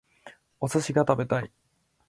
お寿司が食べたい